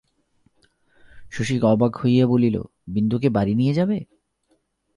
শশী অবাক হইয়া বলিল, বিন্দুকে বাড়ি নিয়ে যাবে?